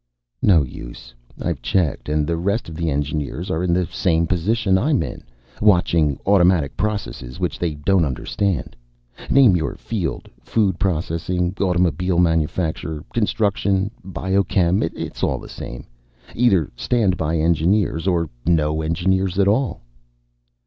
"No use. I've checked, and the rest of the engineers are in the same position I'm in, watching automatic processes which they don't understand. Name your field: food processing, automobile manufacture, construction, biochem., it's all the same. Either stand by engineers or no engineers at all."